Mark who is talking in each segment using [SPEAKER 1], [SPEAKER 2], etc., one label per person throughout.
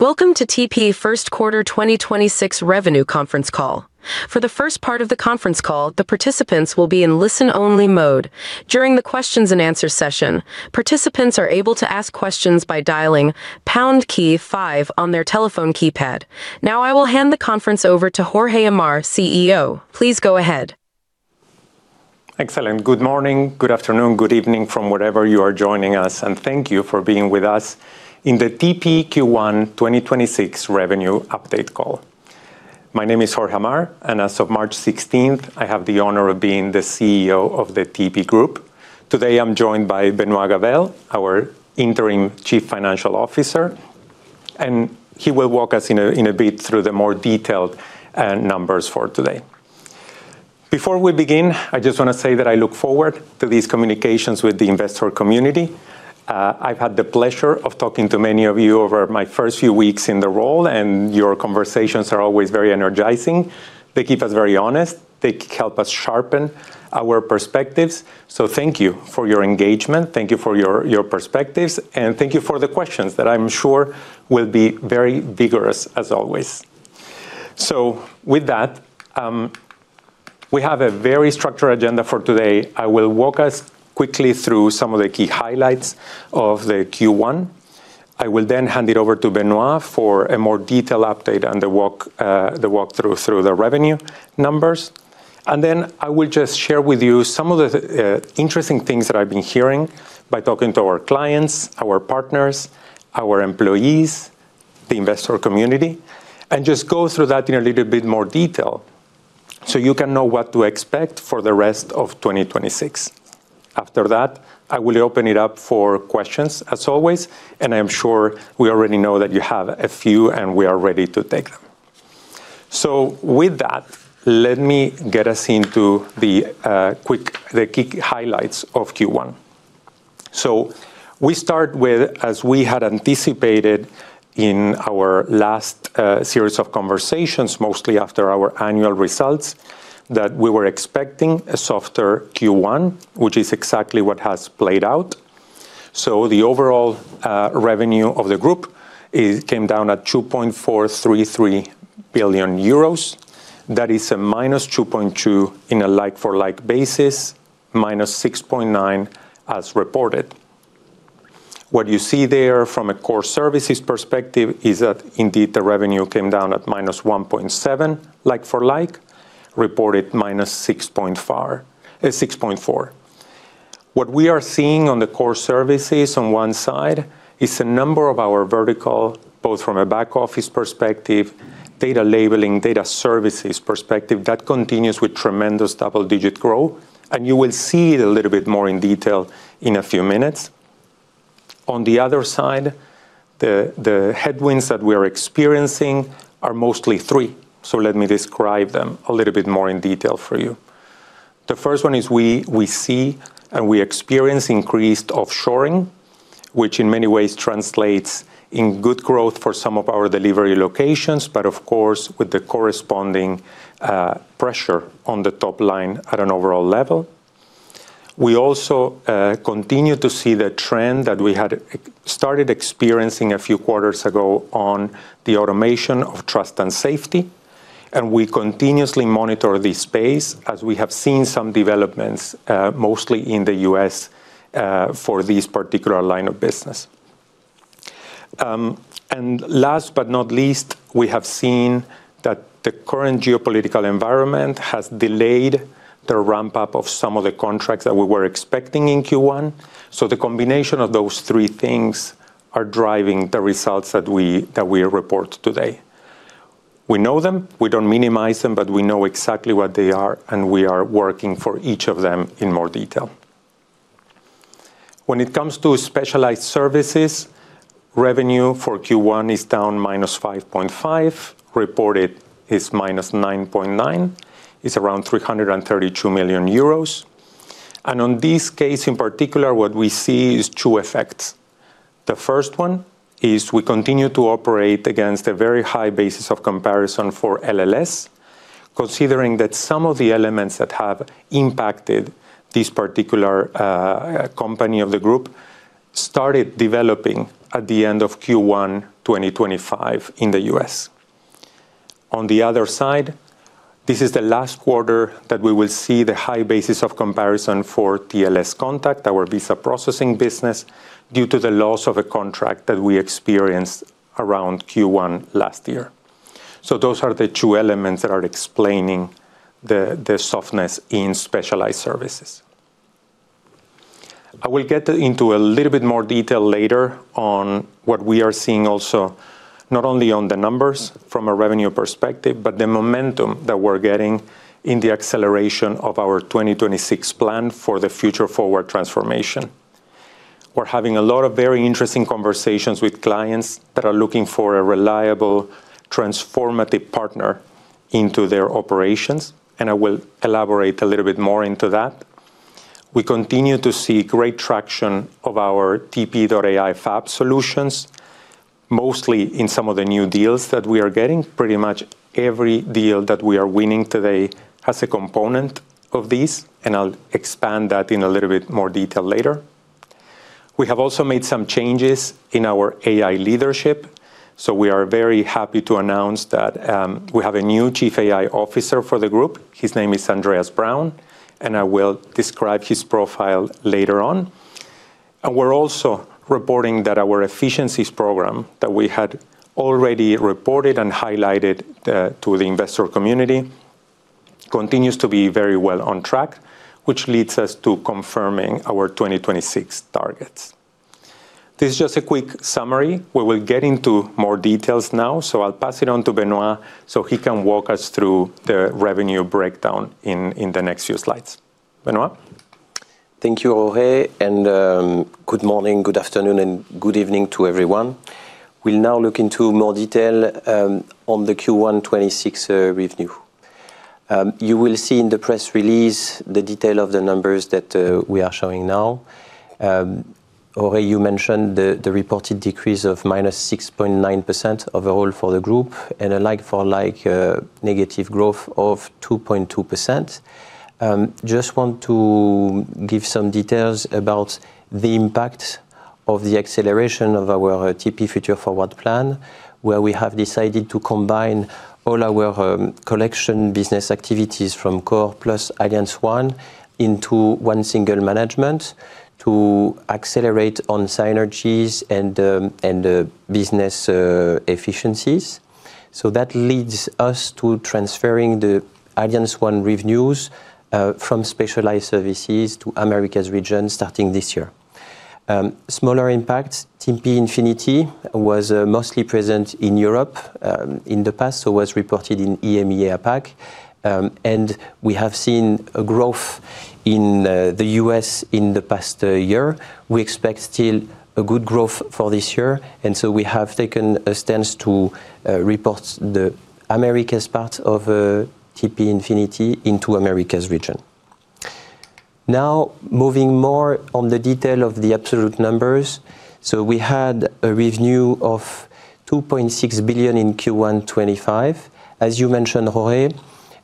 [SPEAKER 1] Welcome to TP first quarter 2026 revenue conference call. For the first part of the conference call, the participants will be in listen-only mode. During the questions-and-answer session, participants are able to ask questions by dialing pound key five on their telephone keypad. Now I will hand the conference over to Jorge Amar, CEO. Please go ahead.
[SPEAKER 2] Excellent. Good morning, good afternoon, good evening from wherever you are joining us, and thank you for being with us in the TP Q1 2026 revenue update call. My name is Jorge Amar, and as of March 16th, I have the honor of being the CEO of the TP Group. Today, I'm joined by Benoit Gabelle, our Interim Chief Financial Officer, and he will walk us in a bit through the more detailed numbers for today. Before we begin, I just wanna say that I look forward to these communications with the investor community. I've had the pleasure of talking to many of you over my first few weeks in the role, and your conversations are always very energizing. They keep us very honest. They help us sharpen our perspectives, so thank you for your engagement. Thank you for your perspectives, and thank you for the questions that I'm sure will be very vigorous as always. With that, we have a very structured agenda for today. I will walk us quickly through some of the key highlights of the Q1. I will then hand it over to Benoit for a more detailed update on the walkthrough through the revenue numbers. Then I will just share with you some of the interesting things that I've been hearing by talking to our clients, our partners, our employees, the investor community, and just go through that in a little bit more detail so you can know what to expect for the rest of 2026. After that, I will open it up for questions as always, and I am sure we already know that you have a few, and we are ready to take them. With that, let me get us into the key highlights of Q1. We start with, as we had anticipated in our last series of conversations, mostly after our annual results, that we were expecting a softer Q1, which is exactly what has played out. The overall revenue of the group came down at 2.433 billion euros. That is a -2.2% in a like-for-like basis, -6.9% as reported. What you see there from a Core Services perspective is that indeed the revenue came down at -1.7% like-for-like, reported -6.4%. What we are seeing on the Core Services on one side is a number of our vertical, both from a back office perspective, data labeling, data services perspective, that continues with tremendous double-digit growth, and you will see it a little bit more in detail in a few minutes. On the other side, the headwinds that we're experiencing are mostly three. Let me describe them a little bit more in detail for you. The first one is we see and we experience increased offshoring, which in many ways translates in good growth for some of our delivery locations, but of course, with the corresponding pressure on the top line at an overall level. We also continue to see the trend that we had started experiencing a few quarters ago on the automation of trust and safety, and we continuously monitor the space as we have seen some developments, mostly in the U.S., for this particular line of business. Last but not least, we have seen that the current geopolitical environment has delayed the ramp-up of some of the contracts that we were expecting in Q1. The combination of those three things are driving the results that we report today. We know them. We don't minimize them, but we know exactly what they are, and we are working for each of them in more detail. When it comes to Specialized Services, revenue for Q1 is down -5.5%, reported is -9.9%. It's around 332 million euros. On this case in particular, what we see is two effects. The first one is we continue to operate against a very high basis of comparison for LLS, considering that some of the elements that have impacted this particular company of the group started developing at the end of Q1 2025 in the U.S. On the other side, this is the last quarter that we will see the high basis of comparison for TLScontact, our visa processing business, due to the loss of a contract that we experienced around Q1 last year. Those are the two elements that are explaining the softness in Specialized Services. I will get into a little bit more detail later on what we are seeing also, not only on the numbers from a revenue perspective, but the momentum that we're getting in the acceleration of our 2026 plan for the Future Forward transformation. We're having a lot of very interesting conversations with clients that are looking for a reliable, transformative partner into their operations, and I will elaborate a little bit more into that. We continue to see great traction of our TP.ai FAB solutions, mostly in some of the new deals that we are getting. Pretty much every deal that we are winning today has a component of these, and I'll expand that in a little bit more detail later. We have also made some changes in our AI leadership, so we are very happy to announce that, we have a new Chief AI Officer for the group. His name is Andreas Braun, and I will describe his profile later on. We are also reporting that our efficiencies program that we had already reported and highlighted to the investor community continues to be very well on track, which leads us to confirming our 2026 targets. This is just a quick summary. We will get into more details now, so I will pass it on to Benoit, so he can walk us through the revenue breakdown in the next few slides. Benoit?
[SPEAKER 3] Thank you, Jorge. Good morning, good afternoon and good evening to everyone. We'll now look into more detail on the Q1 2026 revenue. You will see in the press release the detail of the numbers that we are showing now. Jorge, you mentioned the reported decrease of -6.9% overall for the group and a like-for-like negative growth of 2.2%. Just want to give some details about the impact of the acceleration of our TP Future Forward plan, where we have decided to combine all our collection business activities from Core plus AllianceOne into one single management to accelerate on synergies and business efficiencies. That leads us to transferring the AllianceOne revenues from Specialized Services to Americas region starting this year. Smaller impact, TP Infinity was mostly present in Europe in the past, so was reported in EMEA, APAC. We have seen a growth in the U.S. in the past year. We expect still a good growth for this year, and so we have taken a stance to report the Americas part of TP Infinity into Americas region. Now moving more on the detail of the absolute numbers, we had a review of 2.6 billion in Q1 2025. As you mentioned, Jorge,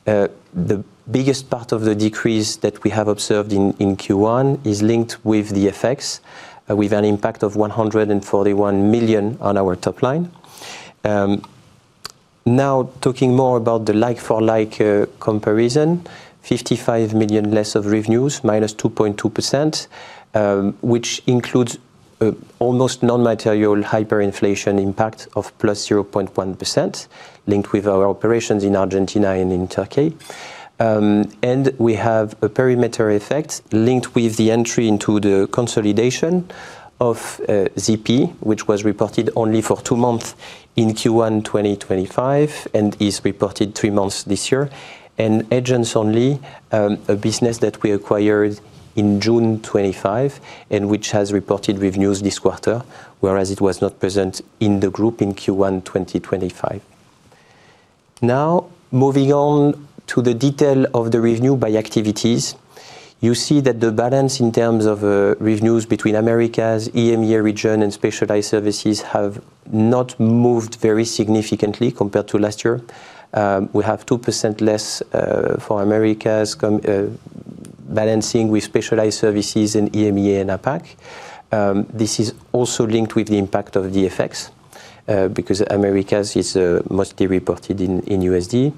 [SPEAKER 3] the biggest part of the decrease that we have observed in Q1 is linked with the effects with an impact of 141 million on our top line. Now talking more about the like-for-like comparison, 55 million less of revenues, -2.2%, which includes a almost non-material hyperinflation impact of +0.1% linked with our operations in Argentina and in Turkey. We have a perimeter effect linked with the entry into the consolidation of ZP, which was reported only for two months in Q1 2025 and is reported three months this year. Agents Only, a business that we acquired in June 2025 and which has reported revenues this quarter, whereas it was not present in the group in Q1 2025. Moving on to the detail of the revenue by activities. You see that the balance in terms of revenues between Americas, EMEA region, and Specialized Services have not moved very significantly compared to last year. We have 2% less for Americas balancing with Specialized Services in EMEA and APAC. This is also linked with the impact of the effects because Americas is mostly reported in USD.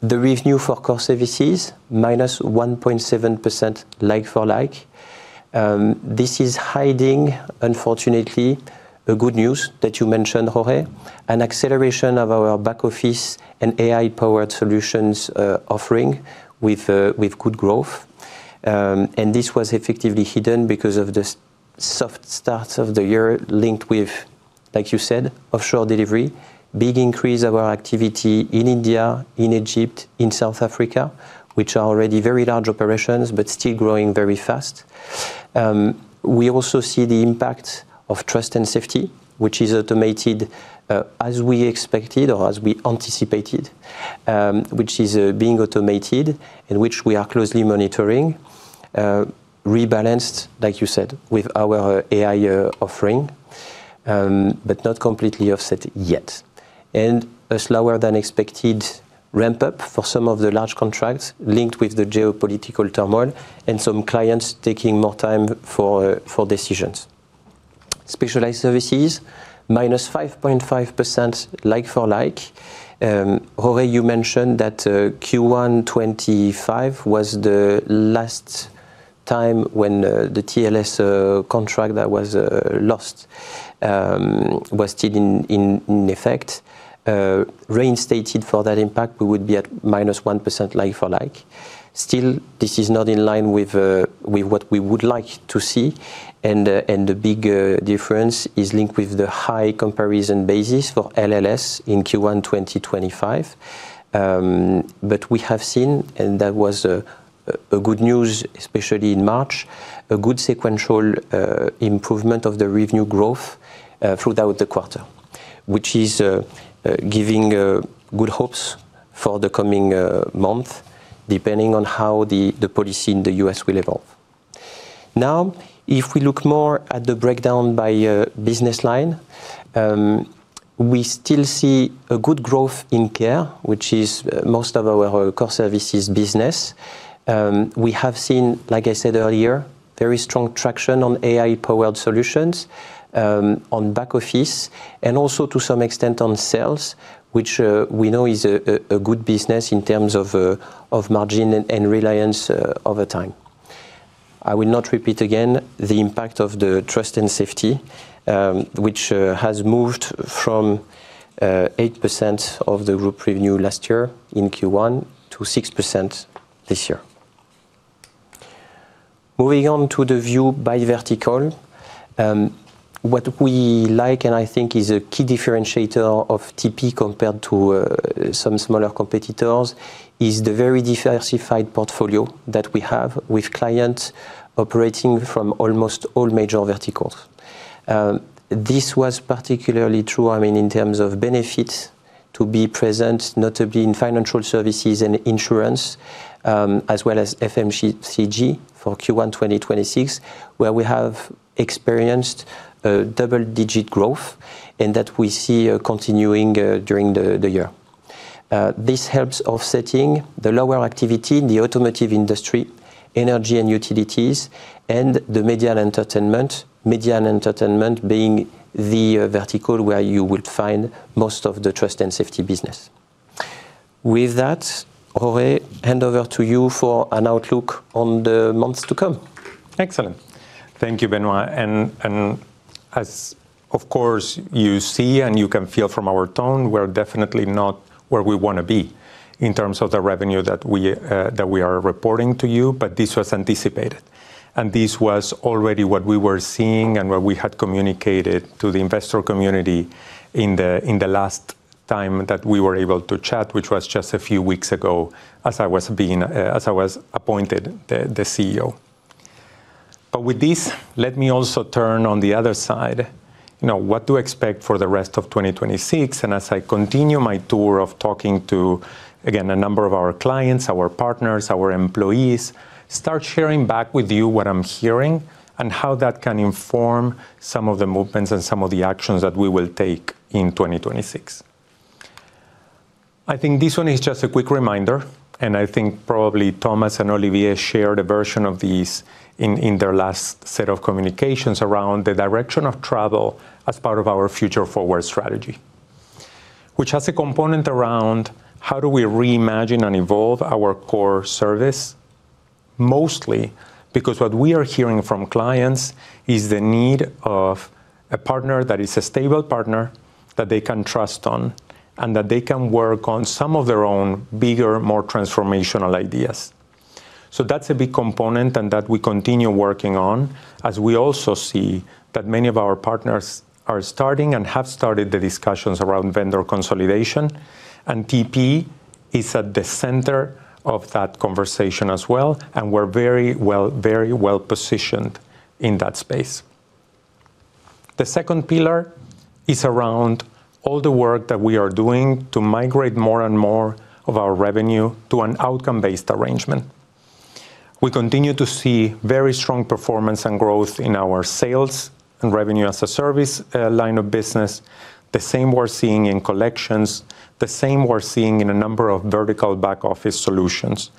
[SPEAKER 3] The revenue for Core Services, -1.7% like-for-like. This is hiding, unfortunately, a good news that you mentioned, Jorge, an acceleration of our back office and AI-powered solutions offering with good growth. This was effectively hidden because of the soft start of the year linked with, like you said, offshore delivery. Big increase of our activity in India, in Egypt, in South Africa, which are already very large operations, but still growing very fast. We also see the impact of trust and safety, which is automated, as we expected or as we anticipated, which is being automated and which we are closely monitoring. Rebalanced, like you said, with our AI offering, not completely offset yet. A slower than expected ramp-up for some of the large contracts linked with the geopolitical turmoil and some clients taking more time for decisions. Specialized Services, -5.5% like-for-like. Jorge, you mentioned that Q1 2025 was the last time when the TLScontact that was lost was still in effect. Reinstated for that impact, we would be at -1% like-for-like. Still, this is not in line with what we would like to see, and the big difference is linked with the high comparison basis for LLS in Q1 2025. We have seen, and that was a good news, especially in March, a good sequential improvement of the revenue growth throughout the quarter, which is giving good hopes for the coming month depending on how the policy in the U.S. will evolve. Now, if we look more at the breakdown by business line, we still see a good growth in care, which is most of our Core Services business. We have seen, like I said earlier, very strong traction on AI-powered solutions, on back office, and also to some extent on sales, which we know is a good business in terms of margin and reliance over time. I will not repeat again the impact of the trust and safety, which has moved from 8% of the group revenue last year in Q1 to 6% this year. Moving on to the view by vertical, what we like and I think is a key differentiator of TP compared to some smaller competitors is the very diversified portfolio that we have with clients operating from almost all major verticals. This was particularly true, I mean, in terms of benefit to be present, notably in financial services and insurance, as well as FMCG for Q1 2026, where we have experienced double-digit growth, and that we see continuing during the year. This helps offsetting the lower activity in the automotive industry, energy and utilities, and the media and entertainment, media and entertainment being the vertical where you would find most of the trust and safety business. With that, Jorge, handover to you for an outlook on the months to come.
[SPEAKER 2] Excellent. Thank you, Benoit. As, of course, you see and you can feel from our tone, we're definitely not where we wanna be in terms of the revenue that we that we are reporting to you, but this was anticipated. This was already what we were seeing and what we had communicated to the investor community in the, in the last time that we were able to chat, which was just a few weeks ago as I was being as I was appointed the CEO. With this, let me also turn on the other side. You know, what to expect for the rest of 2026, and as I continue my tour of talking to, again, a number of our clients, our partners, our employees, start sharing back with you what I'm hearing and how that can inform some of the movements and some of the actions that we will take in 2026. I think this one is just a quick reminder, and I think probably Thomas and Olivier shared a version of this in their last set of communications around the direction of travel as part of our Future Forward strategy, which has a component around how do we reimagine and evolve our Core Services, mostly because what we are hearing from clients is the need of a partner that is a stable partner that they can trust on, and that they can work on some of their own bigger, more transformational ideas. That's a big component, and that we continue working on as we also see that many of our partners are starting and have started the discussions around vendor consolidation. TP is at the center of that conversation as well, and we're very well positioned in that space. The second pillar is around all the work that we are doing to migrate more and more of our revenue to an outcome-based arrangement. We continue to see very strong performance and growth in our sales and revenue as a service line of business. The same we're seeing in collections, the same we're seeing in a number of vertical back office solutions.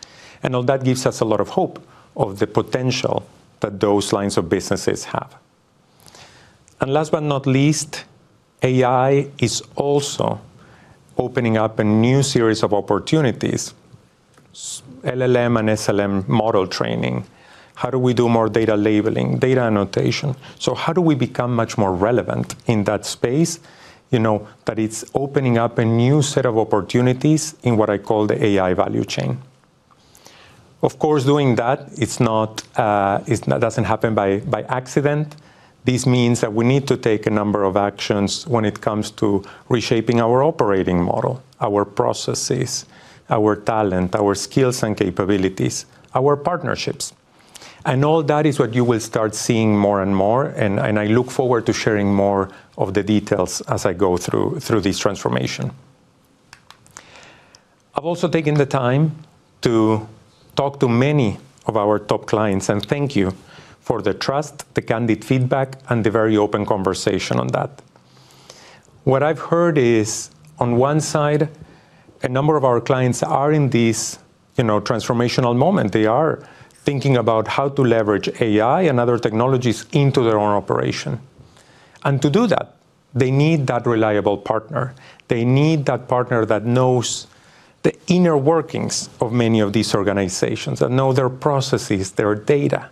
[SPEAKER 2] All that gives us a lot of hope of the potential that those lines of businesses have. Last but not least, AI is also opening up a new series of opportunities, LLM and SLM model training. How do we do more data labeling, data annotation. How do we become much more relevant in that space. You know, that it's opening up a new set of opportunities in what I call the AI value chain. Of course, doing that, it doesn't happen by accident. This means that we need to take a number of actions when it comes to reshaping our operating model, our processes, our talent, our skills and capabilities, our partnerships. All that is what you will start seeing more and more, and I look forward to sharing more of the details as I go through this transformation. I've also taken the time to talk to many of our top clients, and thank you for the trust, the candid feedback, and the very open conversation on that. What I've heard is, on one side, a number of our clients are in this, you know, transformational moment. They are thinking about how to leverage AI and other technologies into their own operation. To do that, they need that reliable partner. They need that partner that knows the inner workings of many of these organizations and know their processes, their data,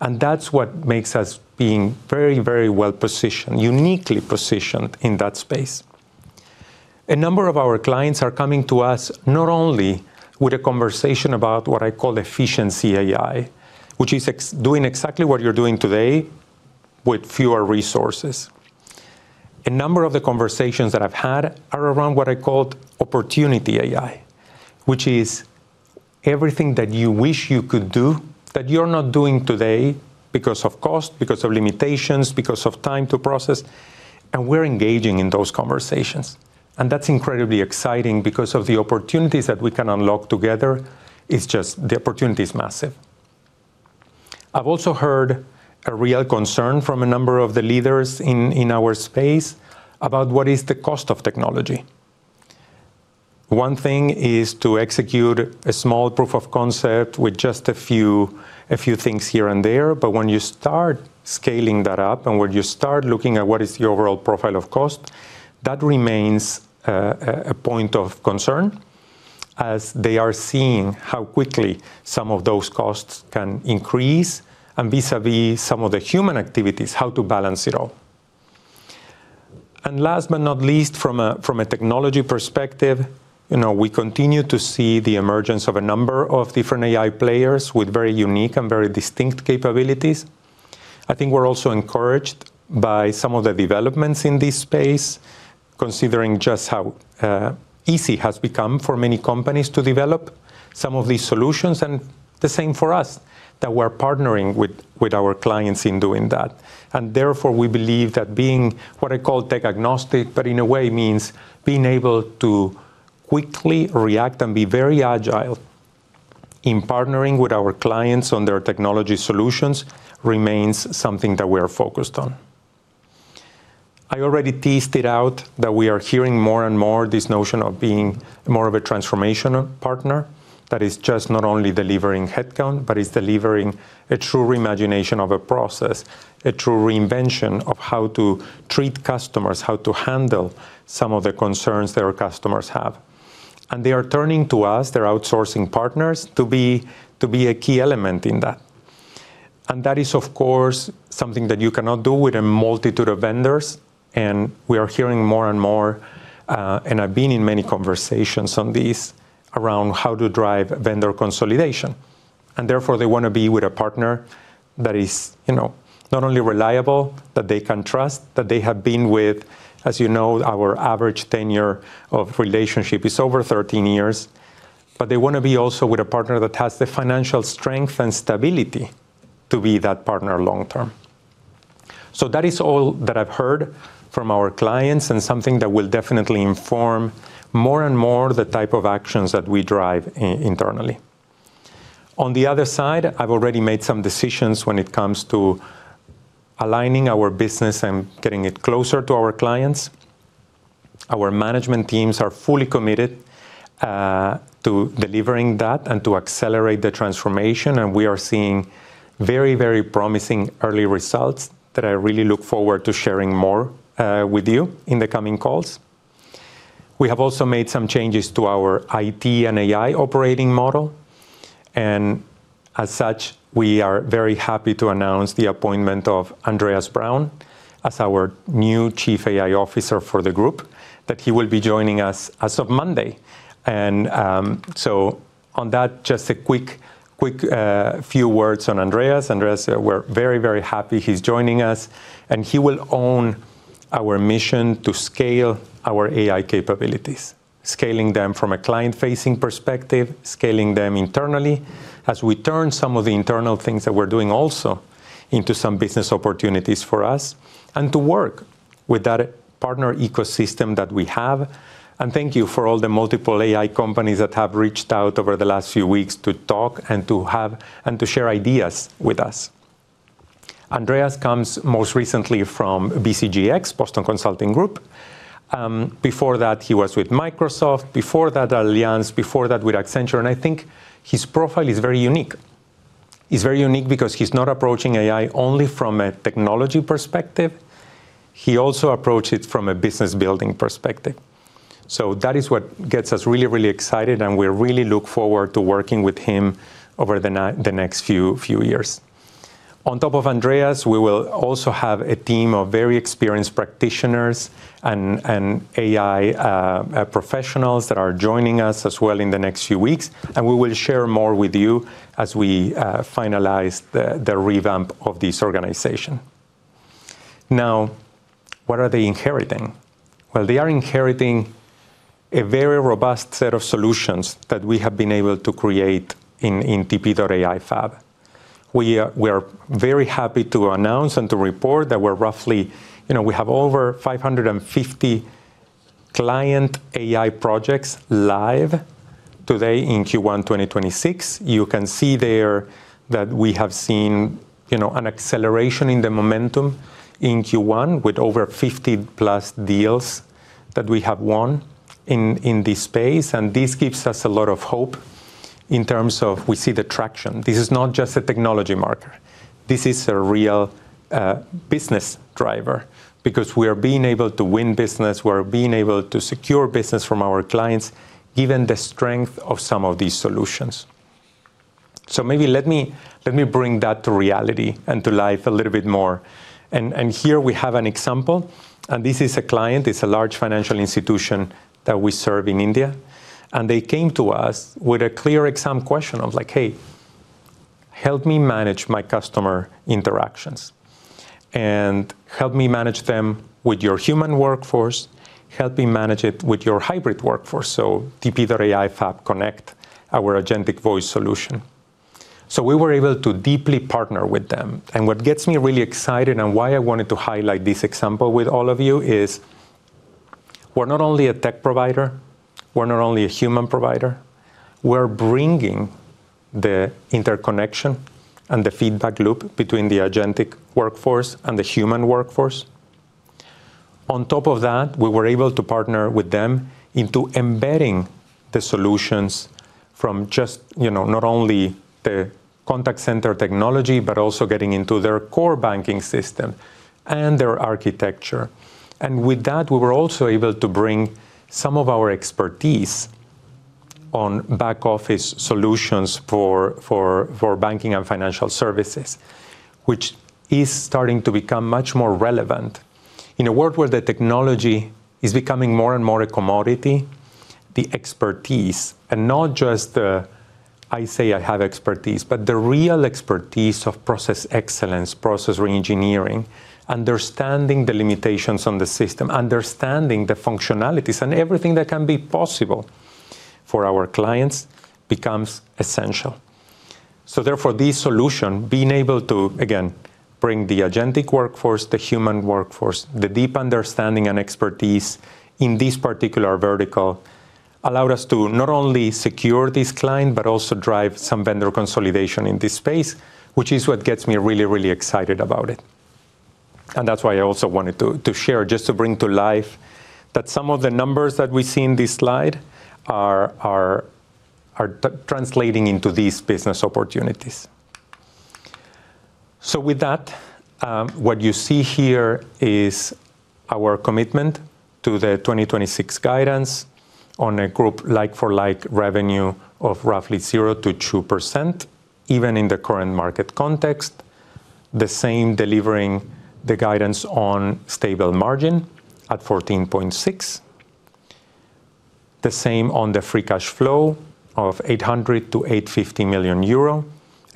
[SPEAKER 2] and that's what makes us being very, very well-positioned, uniquely positioned in that space. A number of our clients are coming to us not only with a conversation about what I call efficiency AI, which is doing exactly what you're doing today with fewer resources. A number of the conversations that I've had are around what I called opportunity AI, which is everything that you wish you could do that you're not doing today because of cost, because of limitations, because of time to process, and we're engaging in those conversations. That's incredibly exciting because of the opportunities that we can unlock together is just the opportunity is massive. I've also heard a real concern from a number of the leaders in our space about what is the cost of technology. One thing is to execute a small proof of concept with just a few things here and there. When you start scaling that up and when you start looking at what is the overall profile of cost, that remains a point of concern as they are seeing how quickly some of those costs can increase and vis-a-vis some of the human activities, how to balance it all. Last but not least, from a technology perspective, you know, we continue to see the emergence of a number of different AI players with very unique and very distinct capabilities. I think we're also encouraged by some of the developments in this space, considering just how easy it has become for many companies to develop some of these solutions, and the same for us that we're partnering with our clients in doing that. Therefore, we believe that being what I call tech agnostic, but in a way means being able to quickly react and be very agile in partnering with our clients on their technology solutions remains something that we are focused on. I already teased it out that we are hearing more and more this notion of being more of a transformational partner that is just not only delivering headcount, but is delivering a true reimagination of a process, a true reinvention of how to treat customers, how to handle some of the concerns that our customers have. They are turning to us, their outsourcing partners, to be a key element in that. That is, of course, something that you cannot do with a multitude of vendors. We are hearing more and more, and I've been in many conversations on this around how to drive vendor consolidation. Therefore, they wanna be with a partner that is, you know, not only reliable, that they can trust, that they have been with. As you know, our average tenure of relationship is over 13 years. They wanna be also with a partner that has the financial strength and stability to be that partner long term. That is all that I've heard from our clients and something that will definitely inform more and more the type of actions that we drive internally. On the other side, I've already made some decisions when it comes to aligning our business and getting it closer to our clients. Our management teams are fully committed to delivering that and to accelerate the transformation, and we are seeing very promising early results that I really look forward to sharing more with you in the coming calls. We have also made some changes to our IT and AI operating model, and as such, we are very happy to announce the appointment of Andreas Braun as our new Chief AI Officer for the group that he will be joining us as of Monday. On that, just a quick few words on Andreas. Andreas, we're very, very happy he's joining us, and he will own our mission to scale our AI capabilities, scaling them from a client-facing perspective, scaling them internally as we turn some of the internal things that we're doing also into some business opportunities for us and to work with that partner ecosystem that we have. Thank you for all the multiple AI companies that have reached out over the last few weeks to talk and to have and to share ideas with us. Andreas comes most recently from BCG X, Boston Consulting Group. Before that, he was with Microsoft, before that Allianz, before that with Accenture, and I think his profile is very unique. He's very unique because he's not approaching AI only from a technology perspective. He also approach it from a business building perspective. That is what gets us really, really excited, and we really look forward to working with him over the next few years. On top of Andreas, we will also have a team of very experienced practitioners and AI professionals that are joining us as well in the next few weeks, and we will share more with you as we finalize the revamp of this organization. Now, what are they inheriting. Well, they are inheriting a very robust set of solutions that we have been able to create in TP.ai FAB. We are very happy to announce and to report that we're roughly you know we have over 550 client AI projects live today in Q1 2026. You can see there that we have seen, you know, an acceleration in the momentum in Q1 with over 50+ deals that we have won in this space. This gives us a lot of hope in terms of we see the traction. This is not just a technology market. This is a real business driver because we are being able to win business, we're being able to secure business from our clients given the strength of some of these solutions. Maybe let me bring that to reality and to life a little bit more. Here we have an example, and this is a client. It's a large financial institution that we serve in India. They came to us with a clear exam question of like, "Hey, help me manage my customer interactions, and help me manage them with your human workforce. Help me manage it with your hybrid workforce." TP.ai FAB Connect, our agentic voice solution. We were able to deeply partner with them. What gets me really excited and why I wanted to highlight this example with all of you is. We're not only a tech provider, we're not only a human provider, we're bringing the interconnection and the feedback loop between the agentic workforce and the human workforce. On top of that, we were able to partner with them into embedding the solutions from just, you know, not only the contact center technology, but also getting into their core banking system and their architecture. With that, we were also able to bring some of our expertise on back office solutions for banking and financial services, which is starting to become much more relevant. In a world where the technology is becoming more and more a commodity, the expertise and not just the, I say I have expertise, but the real expertise of process excellence, process reengineering, understanding the limitations on the system, understanding the functionalities and everything that can be possible for our clients becomes essential. Therefore, this solution, being able to again, bring the agentic workforce, the human workforce, the deep understanding and expertise in this particular vertical allowed us to not only secure this client, but also drive some vendor consolidation in this space, which is what gets me really, really excited about it. That's why I also wanted to share, just to bring to life that some of the numbers that we see in this slide are translating into these business opportunities. With that, what you see here is our commitment to the 2026 guidance on a group like-for-like revenue of roughly 0%-2%, even in the current market context. The same delivering the guidance on stable margin at 14.6%. The same on the free cash flow of 800 million-850 million euro,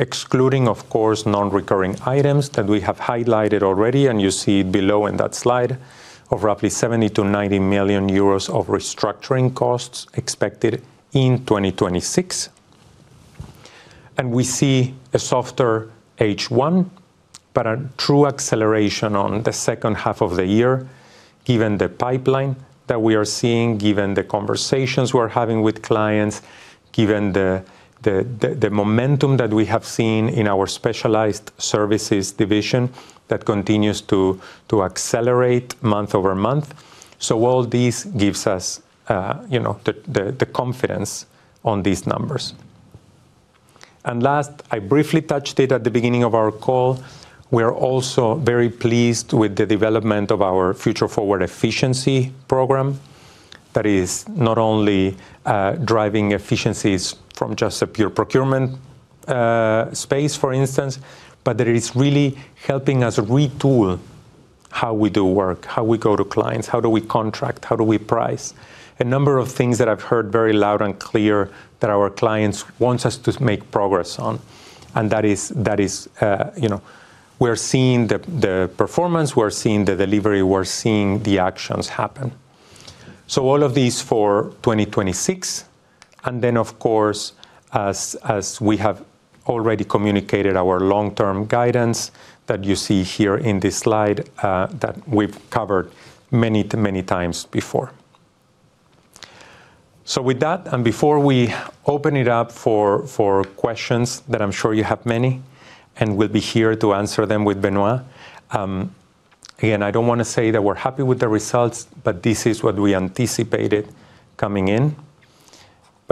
[SPEAKER 2] excluding of course non-recurring items that we have highlighted already, and you see below in that slide of roughly 70 million-90 million euros of restructuring costs expected in 2026. We see a softer H1, but a true acceleration on the second half of the year, given the pipeline that we are seeing, given the conversations we're having with clients, given the momentum that we have seen in our Specialized Services division that continues to accelerate month-over-month. All this gives us the confidence on these numbers. Last, I briefly touched it at the beginning of our call. We are also very pleased with the development of our Future Forward efficiency program that is not only driving efficiencies from just a pure procurement space, for instance, but that is really helping us retool how we do work, how we go to clients, how do we contract, how do we price. A number of things that I've heard very loud and clear that our clients want us to make progress on. We're seeing the performance, we're seeing the delivery, we're seeing the actions happen. All of these for 2026, and then of course, we have already communicated our long-term guidance that you see here in this slide, that we've covered many times before. With that, before we open it up for questions that I'm sure you have many, and we'll be here to answer them with Benoit. Again, I don't wanna say that we're happy with the results, but this is what we anticipated coming in.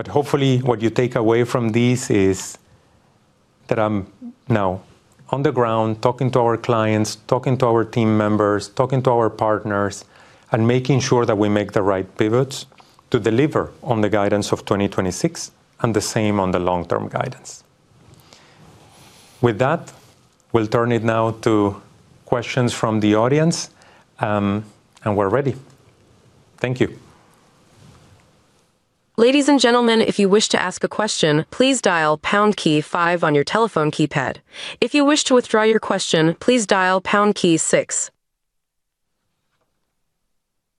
[SPEAKER 2] Hopefully, what you take away from this is that I'm now on the ground talking to our clients, talking to our team members, talking to our partners, and making sure that we make the right pivots to deliver on the guidance of 2026 and the same on the long-term guidance. With that, we'll turn it now to questions from the audience, and we're ready. Thank you.
[SPEAKER 1] Ladies and gentlemen, if you wish to ask a question, please dial pound key five on your telephone keypad. If you wish to withdraw your question, please dial pound key six.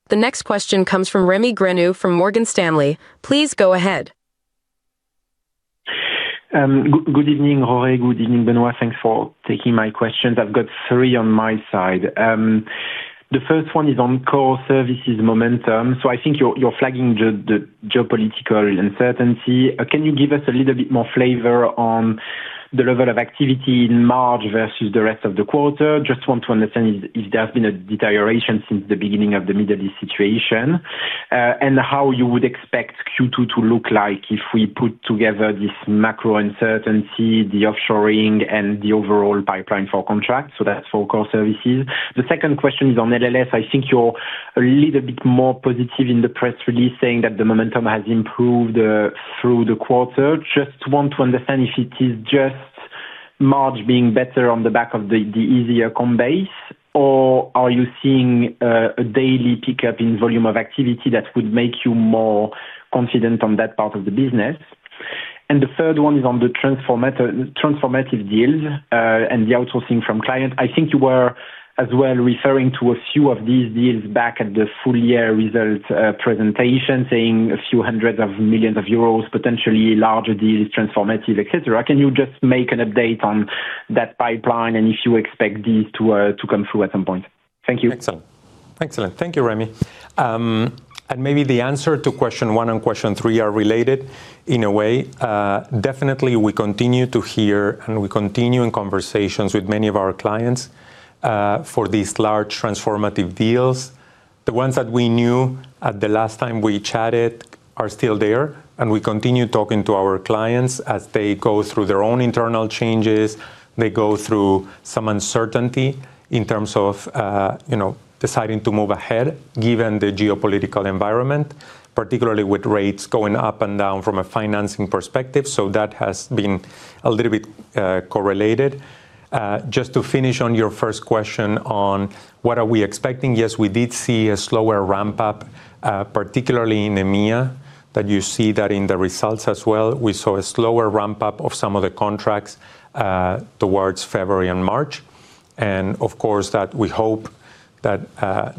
[SPEAKER 1] The next question comes from Rémi Grenu from Morgan Stanley. Please go ahead.
[SPEAKER 4] Good evening, Jorge. Good evening, Benoit. Thanks for taking my questions. I've got three on my side. The first one is on Core Services momentum. I think you're flagging the geopolitical uncertainty. Can you give us a little bit more flavor on the level of activity in March versus the rest of the quarter? Just want to understand if there's been a deterioration since the beginning of the Middle East situation, and how you would expect Q2 to look like if we put together this macro uncertainty, the offshoring, and the overall pipeline for contracts. That's for Core Services. The second question is on LLS. I think you're a little bit more positive in the press release, saying that the momentum has improved through the quarter. Just want to understand if it is just March being better on the back of the easier comp base or are you seeing a daily pickup in volume of activity that would make you more confident on that part of the business? The third one is on the transformative deals and the outsourcing from clients. I think you were as well referring to a few of these deals back at the full-year results presentation, saying a few hundred of million of euros, potentially larger deals, transformative, et cetera. Can you just make an update on that pipeline and if you expect these to come through at some point? Thank you.
[SPEAKER 2] Excellent. Thank you, Rémi. Maybe the answer to question one and question three are related in a way. Definitely we continue to hear, and we continue in conversations with many of our clients, for these large transformative deals. The ones that we knew at the last time we chatted are still there, and we continue talking to our clients as they go through their own internal changes. They go through some uncertainty in terms of, you know, deciding to move ahead given the geopolitical environment, particularly with rates going up and down from a financing perspective. That has been a little bit correlated. Just to finish on your first question on what are we expecting. Yes, we did see a slower ramp up, particularly in EMEA, that you see that in the results as well. We saw a slower ramp up of some of the contracts towards February and March. Of course, that we hope that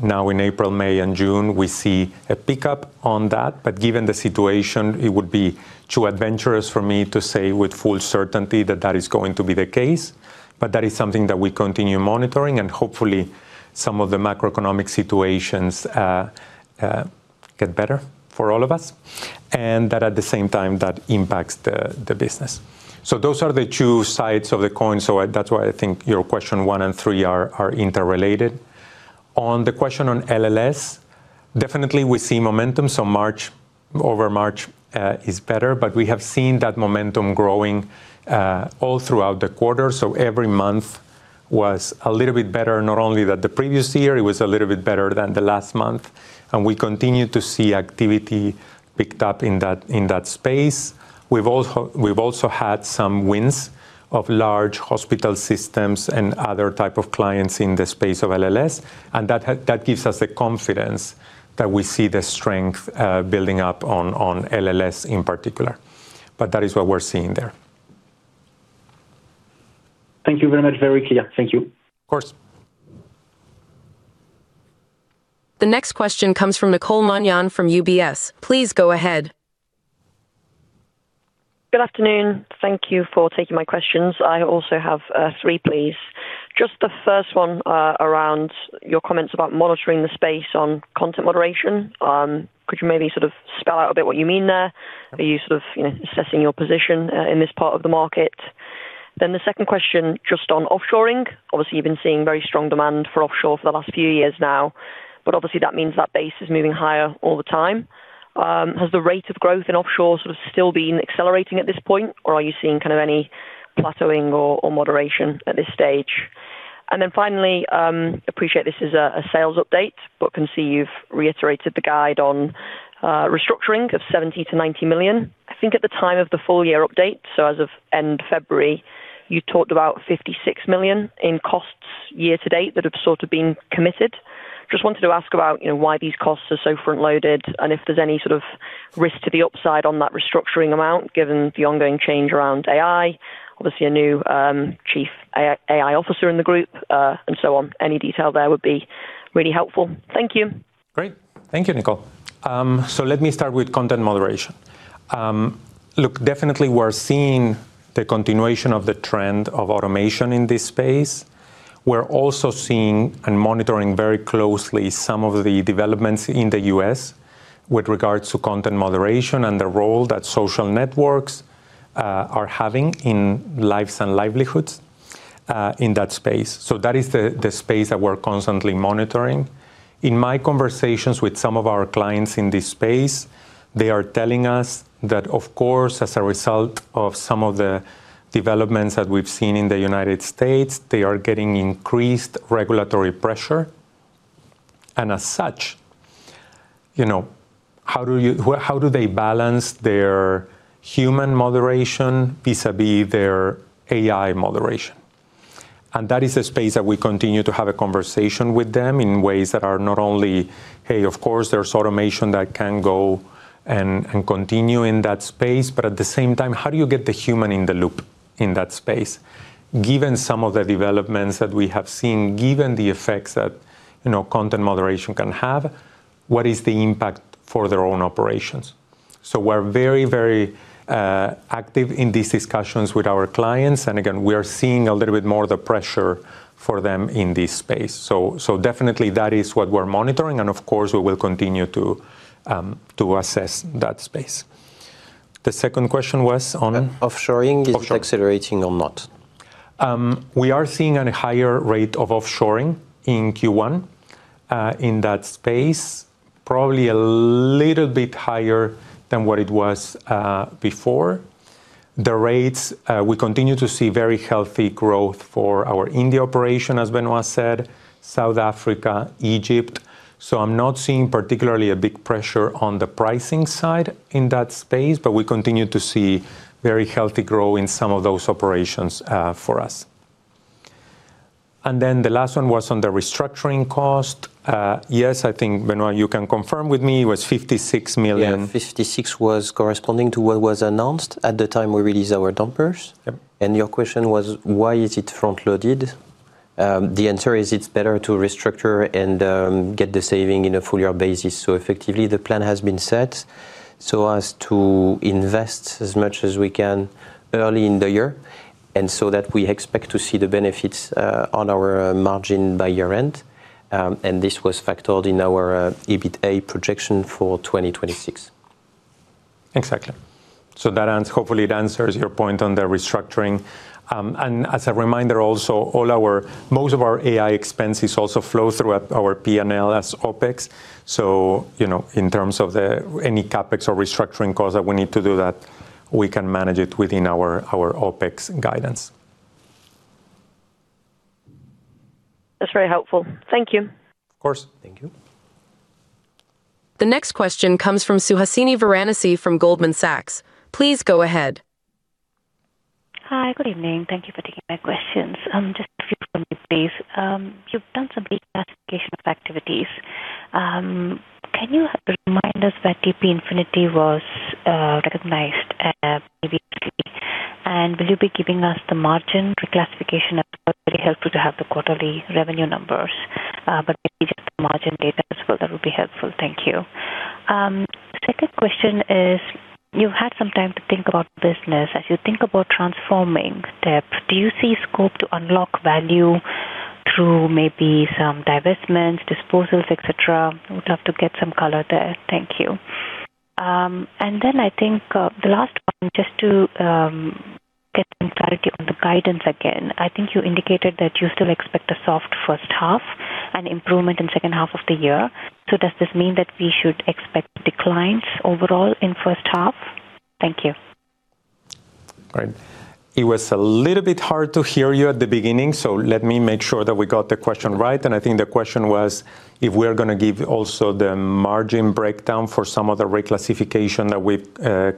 [SPEAKER 2] now in April, May and June, we see a pickup on that. Given the situation, it would be too adventurous for me to say with full certainty that that is going to be the case. That is something that we continue monitoring and hopefully some of the macroeconomic situations get better for all of us. That at the same time that impacts the business. Those are the two sides of the coin. That's why I think your question one and three are interrelated. On the question on LLS, definitely we see momentum, so March over March is better, but we have seen that momentum growing all throughout the quarter. Every month was a little bit better. Not only that the previous year, it was a little bit better than the last month. We continue to see activity picked up in that space. We've also had some wins of large hospital systems and other type of clients in the space of LLS, and that gives us the confidence that we see the strength building up on LLS in particular. That is what we're seeing there.
[SPEAKER 4] Thank you very much. Very clear. Thank you.
[SPEAKER 2] Of course.
[SPEAKER 1] The next question comes from Nicole Manion from UBS. Please go ahead.
[SPEAKER 5] Good afternoon. Thank you for taking my questions. I also have three, please. Just the first one, around your comments about monitoring the space on content moderation. Could you maybe sort of spell out a bit what you mean there? Are you sort of, you know, assessing your position in this part of the market? Then the second question, just on offshoring. Obviously, you've been seeing very strong demand for offshore for the last few years now, but obviously that means that base is moving higher all the time. Has the rate of growth in offshore sort of still been accelerating at this point or are you seeing kind of any plateauing or moderation at this stage? And then finally, appreciate this is a sales update, but I can see you've reiterated the guide on restructuring of 70 million-90 million. I think at the time of the full-year update, so as of end February, you talked about 56 million in costs year-to-date that have sort of been committed. Just wanted to ask about, you know, why these costs are so front-loaded, and if there's any sort of risk to the upside on that restructuring amount, given the ongoing change around AI. Obviously, a new Chief AI Officer in the group, and so on. Any detail there would be really helpful. Thank you.
[SPEAKER 2] Great. Thank you, Nicole. Let me start with content moderation. Look, definitely we're seeing the continuation of the trend of automation in this space. We're also seeing and monitoring very closely some of the developments in the U.S. with regards to content moderation and the role that social networks are having in lives and livelihoods in that space. That is the space that we're constantly monitoring. In my conversations with some of our clients in this space, they are telling us that, of course, as a result of some of the developments that we've seen in the United States, they are getting increased regulatory pressure. As such, you know, how do they balance their human moderation vis-à-vis their AI moderation. That is a space that we continue to have a conversation with them in ways that are not only, "Hey, of course, there's automation that can go and continue in that space," but at the same time, how do you get the human in the loop in that space. Given some of the developments that we have seen, given the effects that, you know, content moderation can have, what is the impact for their own operations. We're very, very active in these discussions with our clients. Again, we are seeing a little bit more of the pressure for them in this space. So definitely that is what we're monitoring and of course, we will continue to assess that space. The second question was on-
[SPEAKER 3] Offshoring, is it accelerating or not?
[SPEAKER 2] We are seeing a higher rate of offshoring in Q1 in that space, probably a little bit higher than what it was before. The rates, we continue to see very healthy growth for our India operation, as Benoit said, South Africa, Egypt. I'm not seeing particularly a big pressure on the pricing side in that space, but we continue to see very healthy growth in some of those operations for us. The last one was on the restructuring cost. Yes, I think, Benoit, you can confirm with me, it was 56 million.
[SPEAKER 3] Yeah, 56 million was corresponding to what was announced at the time we released our results.
[SPEAKER 2] Yep.
[SPEAKER 3] Your question was why is it front-loaded? The answer is it's better to restructure and get the savings in a full-year basis. Effectively, the plan has been set so as to invest as much as we can early in the year and so that we expect to see the benefits on our margin by year-end. This was factored in our EBITA projection for 2026.
[SPEAKER 2] Exactly. Hopefully it answers your point on the restructuring. As a reminder also, most of our AI expenses also flow through our P&L as OpEx. You know, in terms of any CapEx or restructuring costs that we need to do that, we can manage it within our OpEx guidance.
[SPEAKER 5] That's very helpful. Thank you.
[SPEAKER 2] Of course.
[SPEAKER 3] Thank you.
[SPEAKER 1] The next question comes from Suhasini Varanasi from Goldman Sachs. Please go ahead.
[SPEAKER 6] Hi, good evening. Thank you for taking my questions. Just a few for me, please. You've done some reclassification of activities. Can you remind us that TP Infinity was recognized previously? Will you be giving us the margin reclassification? It'll be helpful to have the quarterly revenue numbers, but maybe just the margin data as well, that would be helpful. Thank you. Second question is, you've had some time to think about business. As you think about transforming TP, do you see scope to unlock value through maybe some divestments, disposals, et cetera? Would love to get some color there. Thank you. Then I think, the last one, just to get some clarity on the guidance again. I think you indicated that you still expect a soft first half and improvement in second half of the year. Does this mean that we should expect declines overall in first half? Thank you.
[SPEAKER 2] Great. It was a little bit hard to hear you at the beginning, so let me make sure that we got the question right. I think the question was, if we're gonna give also the margin breakdown for some of the reclassification that we've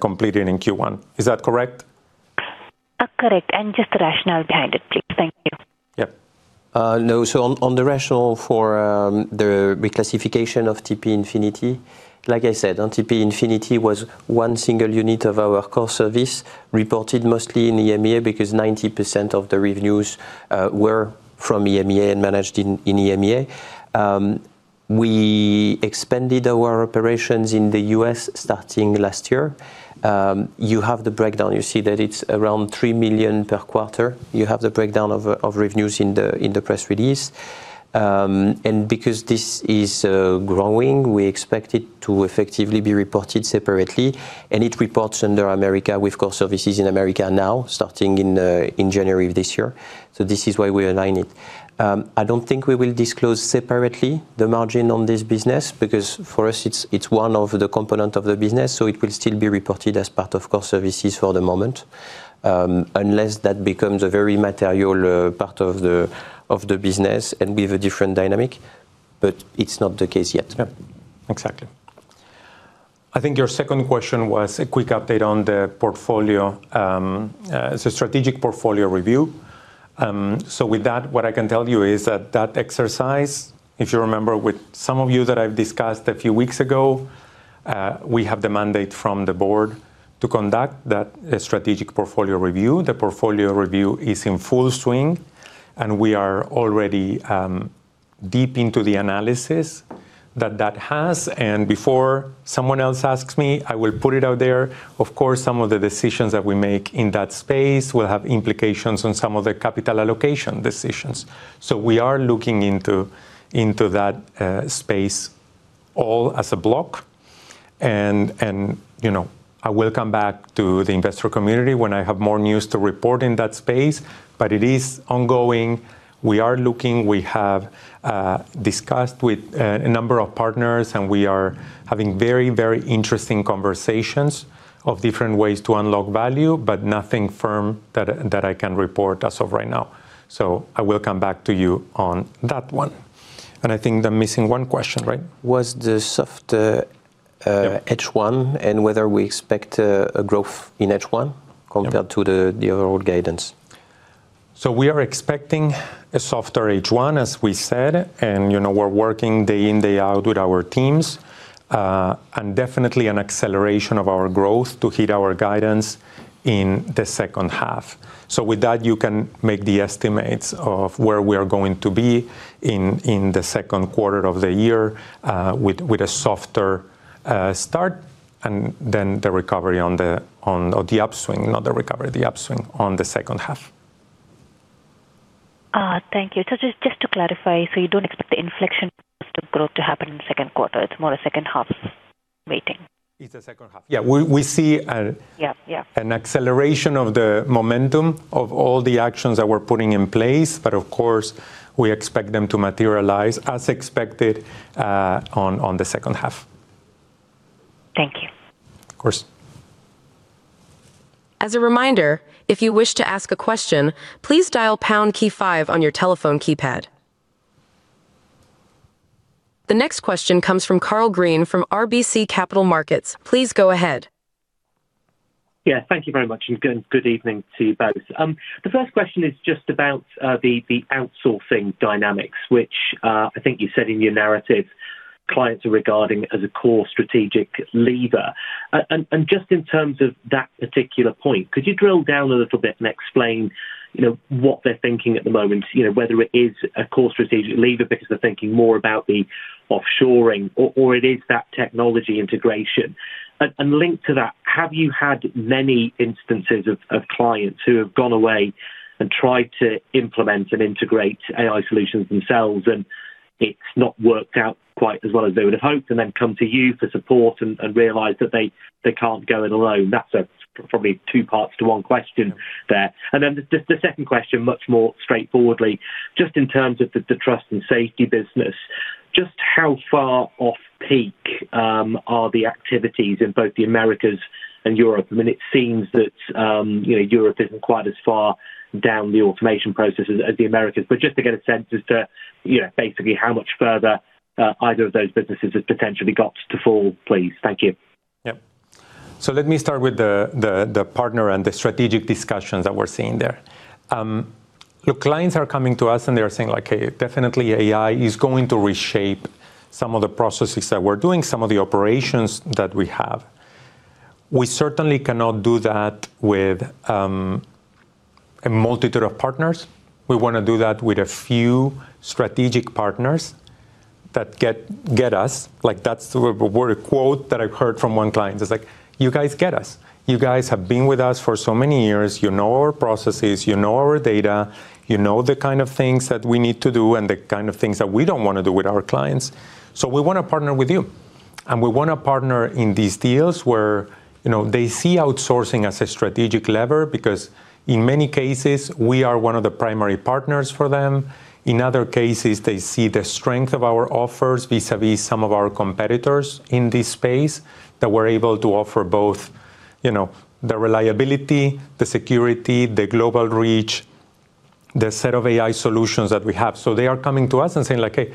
[SPEAKER 2] completed in Q1. Is that correct?
[SPEAKER 6] Correct. Just the rationale behind it, please. Thank you.
[SPEAKER 2] Yep.
[SPEAKER 3] No. On the rationale for the reclassification of TP Infinity, like I said, TP Infinity was one single unit of our Core Services reported mostly in EMEA because 90% of the revenues were from EMEA and managed in EMEA. We expanded our operations in the U.S. starting last year. You have the breakdown. You see that it's around $3 million per quarter. You have the breakdown of revenues in the press release. Because this is growing, we expect it to effectively be reported separately. It reports under America with Core Services in America now, starting in January of this year. This is why we align it. I don't think we will disclose separately the margin on this business because for us it's one of the component of the business, so it will still be reported as part of Core Services for the moment, unless that becomes a very material part of the business and with a different dynamic, but it's not the case yet.
[SPEAKER 2] Yeah. Exactly. I think your second question was a quick update on the portfolio, strategic portfolio review. With that, what I can tell you is that exercise, if you remember with some of you that I've discussed a few weeks ago, we have the mandate from the board to conduct that strategic portfolio review. The portfolio review is in full swing, and we are already deep into the analysis that has. Before someone else asks me, I will put it out there. Of course, some of the decisions that we make in that space will have implications on some of the capital allocation decisions. We are looking into that space all as a block. You know, I will come back to the investor community when I have more news to report in that space. It is ongoing. We are looking. We have discussed with a number of partners, and we are having very, very interesting conversations of different ways to unlock value, but nothing firm that I can report as of right now. I will come back to you on that one. I think I'm missing one question, right?
[SPEAKER 3] Was the softer H1 and whether we expect a growth in H1 compared to the overall guidance.
[SPEAKER 2] We are expecting a softer H1, as we said, and you know, we're working day in, day out with our teams, and definitely an acceleration of our growth to hit our guidance in the second half. With that, you can make the estimates of where we are going to be in the second quarter of the year, with a softer start and then the recovery on the upswing, not the recovery, the upswing on the second half.
[SPEAKER 6] Thank you. Just to clarify, you don't expect the inflection of the growth to happen in the second quarter. It's more a second half weighting.
[SPEAKER 2] It's a second half. Yeah. We see-
[SPEAKER 6] Yeah, yeah.
[SPEAKER 2] An acceleration of the momentum of all the actions that we're putting in place. Of course, we expect them to materialize as expected, on the second half.
[SPEAKER 6] Thank you.
[SPEAKER 2] Of course.
[SPEAKER 1] As a reminder, if you wish to ask a question, please dial pound key five on your telephone keypad. The next question comes from Karl Green from RBC Capital Markets. Please go ahead.
[SPEAKER 7] Thank you very much, good evening to you both. The first question is just about the outsourcing dynamics, which I think you said in your narrative. Clients are regarding as a core strategic lever. Just in terms of that particular point, could you drill down a little bit and explain, you know, what they're thinking at the moment? You know, whether it is a core strategic lever because they're thinking more about the offshoring or it is that technology integration. Linked to that, have you had many instances of clients who have gone away and tried to implement and integrate AI solutions themselves, and it's not worked out quite as well as they would have hoped, and then come to you for support and realized that they can't go it alone? That's probably two parts to one question there. The second question, much more straightforwardly, just in terms of the trust and safety business, just how far off peak are the activities in both the Americas and Europe? I mean, it seems that, you know, Europe isn't quite as far down the automation process as the Americas. Just to get a sense as to, you know, basically how much further either of those businesses has potentially got to fall, please. Thank you.
[SPEAKER 2] Yep. Let me start with the partner and the strategic discussions that we're seeing there. Look, clients are coming to us, and they are saying like, "Hey, definitely AI is going to reshape some of the processes that we're doing, some of the operations that we have." We certainly cannot do that with a multitude of partners. We wanna do that with a few strategic partners that get us. Like, that's the quote that I've heard from one client is like, "You guys get us. You guys have been with us for so many years. You know our processes. You know our data. You know the kind of things that we need to do and the kind of things that we don't wanna do with our clients. We wanna partner with you. We wanna partner in these deals where, you know, they see outsourcing as a strategic lever because in many cases we are one of the primary partners for them. In other cases, they see the strength of our offers vis-a-vis some of our competitors in this space that we're able to offer both, you know, the reliability, the security, the global reach, the set of AI solutions that we have. They are coming to us and saying like, "Hey,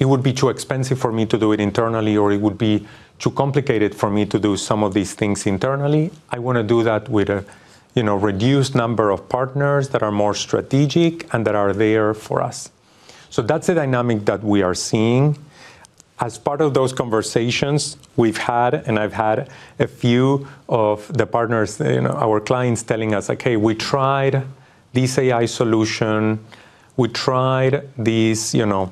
[SPEAKER 2] it would be too expensive for me to do it internally," or "It would be too complicated for me to do some of these things internally. I wanna do that with a, you know, reduced number of partners that are more strategic and that are there for us." That's the dynamic that we are seeing. As part of those conversations we've had, I've had a few of the partners, you know, our clients telling us, like, "Hey, we tried this AI solution. We tried this, you know,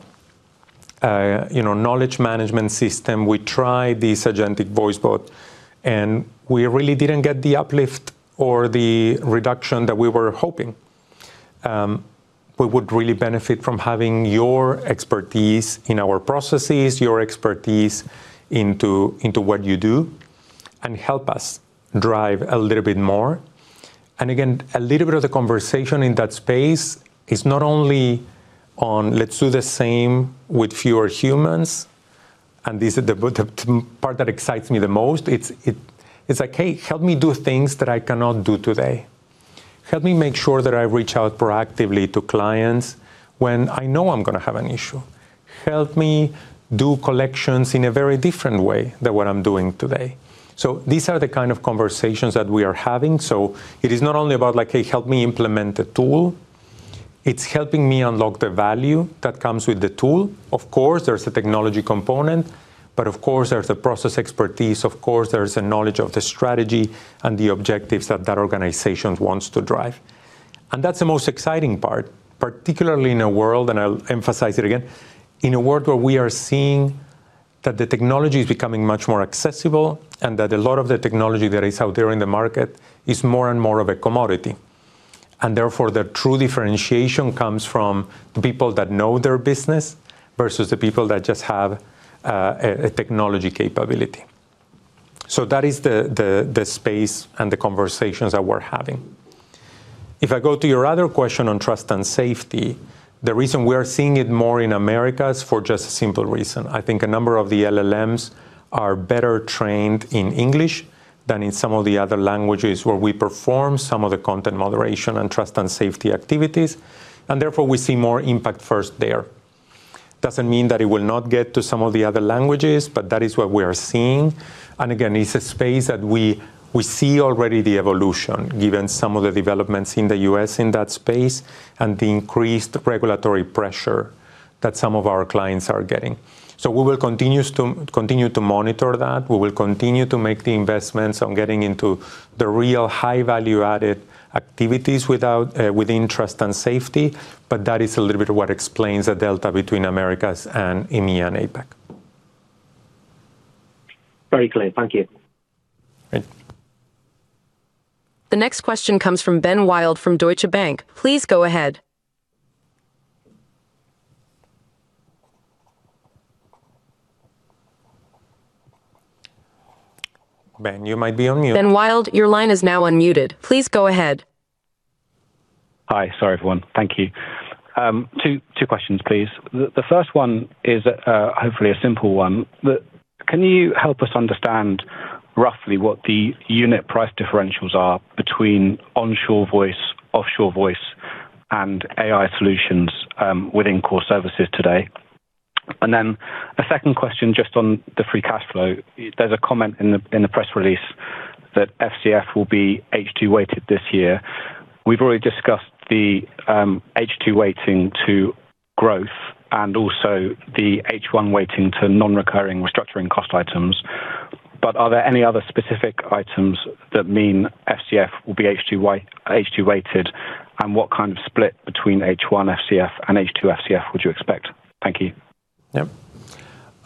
[SPEAKER 2] knowledge management system. We tried this agentic voice bot, and we really didn't get the uplift or the reduction that we were hoping. We would really benefit from having your expertise in our processes, your expertise into what you do, and help us drive a little bit more." Again, a little bit of the conversation in that space is not only on let's do the same with fewer humans, and this is the part that excites me the most. It's like, "Hey, help me do things that I cannot do today. Help me make sure that I reach out proactively to clients when I know I'm gonna have an issue. Help me do collections in a very different way than what I'm doing today." These are the kind of conversations that we are having. It is not only about like, "Hey, help me implement the tool. It's helping me unlock the value that comes with the tool." Of course, there's the technology component, but of course there's the process expertise. Of course, there is a knowledge of the strategy and the objectives that organization wants to drive. That's the most exciting part, particularly in a world, and I'll emphasize it again, in a world where we are seeing that the technology is becoming much more accessible and that a lot of the technology that is out there in the market is more and more of a commodity. Therefore, the true differentiation comes from people that know their business versus the people that just have a technology capability. That is the space and the conversations that we're having. If I go to your other question on trust and safety, the reason we are seeing it more in America is for just a simple reason. I think a number of the LLMs are better trained in English than in some of the other languages where we perform some of the content moderation and trust and safety activities, and therefore we see more impact first there. Doesn't mean that it will not get to some of the other languages, but that is what we are seeing. Again, it's a space that we see already the evolution given some of the developments in the U.S. in that space and the increased regulatory pressure that some of our clients are getting. We will continue to monitor that. We will continue to make the investments on getting into the real high value-added activities without within trust and safety, but that is a little bit of what explains the delta between Americas and EMEA and APAC.
[SPEAKER 7] Very clear. Thank you.
[SPEAKER 2] Great.
[SPEAKER 1] The next question comes from Ben Wild from Deutsche Bank. Please go ahead.
[SPEAKER 2] Ben, you might be on mute.
[SPEAKER 1] Ben Wild, your line is now unmuted. Please go ahead.
[SPEAKER 8] Hi. Sorry, everyone. Thank you. Two questions, please. The first one is hopefully a simple one. Can you help us understand roughly what the unit price differentials are between onshore voice, offshore voice, and AI solutions within Core Services today? Then a second question just on the free cash flow. There's a comment in the press release. That FCF will be H2-weighted this year. We've already discussed the H2 weighting to growth and also the H1 weighting to non-recurring restructuring cost items. Are there any other specific items that mean FCF will be H2-weighted, and what kind of split between H1 FCF and H2 FCF would you expect? Thank you.
[SPEAKER 2] Yeah.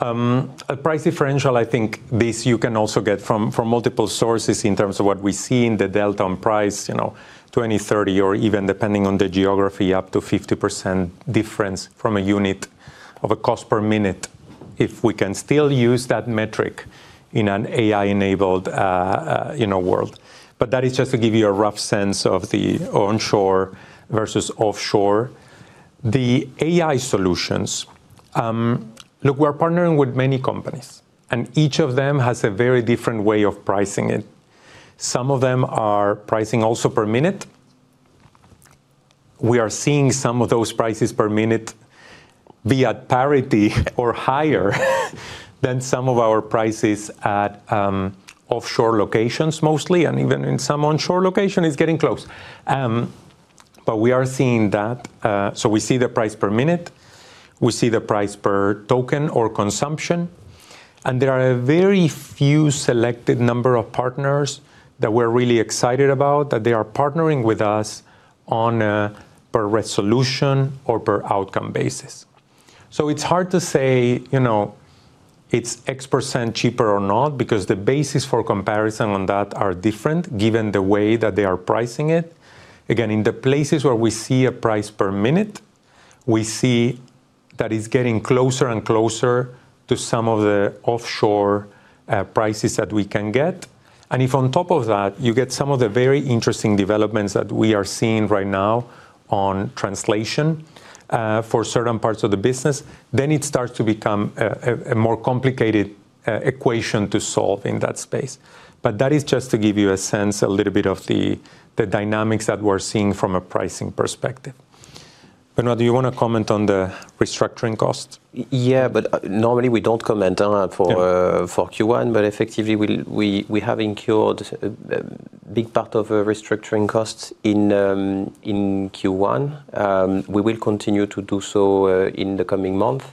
[SPEAKER 2] A price differential, I think this you can also get from multiple sources in terms of what we see in the delta on price, you know, 20%, 30% or even depending on the geography, up to 50% difference from a unit of a cost per minute, if we can still use that metric in an AI-enabled, you know, world. That is just to give you a rough sense of the onshore versus offshore. The AI solutions. Look, we're partnering with many companies, and each of them has a very different way of pricing it. Some of them are pricing also per minute. We are seeing some of those prices per minute be at parity or higher than some of our prices at, offshore locations mostly, and even in some onshore location, it's getting close. We are seeing that. We see the price per minute. We see the price per token or consumption, and there are a very few selected number of partners that we're really excited about, that they are partnering with us on a per-resolution or per-outcome basis. It's hard to say, you know, it's X percent cheaper or not because the basis for comparison on that are different given the way that they are pricing it. Again, in the places where we see a price per minute, we see that it's getting closer and closer to some of the offshore prices that we can get. If on top of that you get some of the very interesting developments that we are seeing right now on translation for certain parts of the business, then it starts to become a more complicated equation to solve in that space. That is just to give you a sense a little bit of the dynamics that we're seeing from a pricing perspective. Benoit, do you wanna comment on the restructuring costs?
[SPEAKER 3] Yeah, normally we don't comment on, for Q1. Effectively we have incurred a big part of the restructuring costs in Q1. We will continue to do so in the coming months.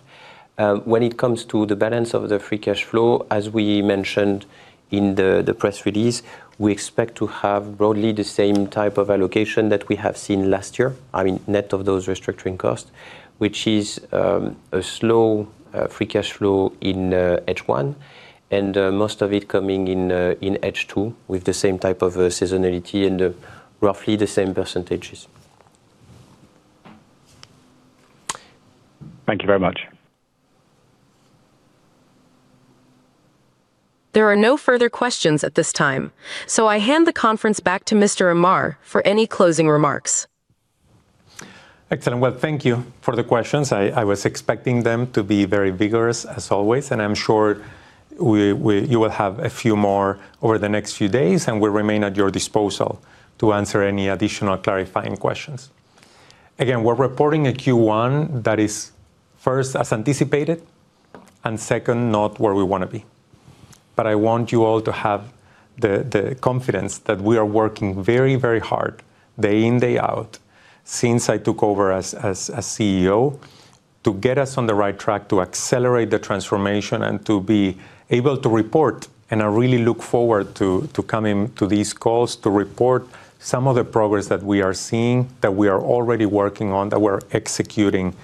[SPEAKER 3] When it comes to the balance of the free cash flow, as we mentioned in the press release, we expect to have broadly the same type of allocation that we have seen last year, I mean, net of those restructuring costs, which is a slow free cash flow in H1 and most of it coming in H2 with the same type of seasonality and roughly the same percentages.
[SPEAKER 8] Thank you very much.
[SPEAKER 1] There are no further questions at this time, so I hand the conference back to Mr. Amar for any closing remarks.
[SPEAKER 2] Excellent. Well, thank you for the questions. I was expecting them to be very vigorous as always, and I'm sure you will have a few more over the next few days, and we remain at your disposal to answer any additional clarifying questions. Again, we're reporting a Q1 that is, first, as anticipated, and second, not where we wanna be. I want you all to have the confidence that we are working very, very hard day in, day out since I took over as CEO to get us on the right track to accelerate the transformation and to be able to report. I really look forward to coming to these calls to report some of the progress that we are seeing, that we are already working on, that we're executing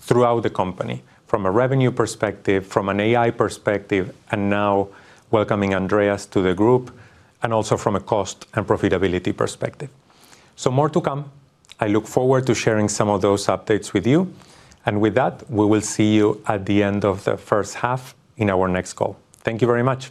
[SPEAKER 2] throughout the company from a revenue perspective, from an AI perspective, and now welcoming Andreas to the group, and also from a cost and profitability perspective. More to come. I look forward to sharing some of those updates with you. With that, we will see you at the end of the first half in our next call. Thank you very much.